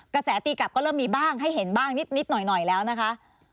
กระแสตีกลับก็เริ่มมีบ้างให้เห็นบ้างนิดหน่อยแล้วนะคะ